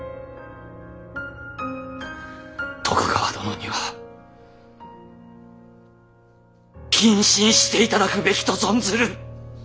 徳川殿には謹慎していただくべきと存ずる。